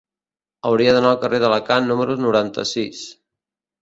Hauria d'anar al carrer d'Alacant número noranta-sis.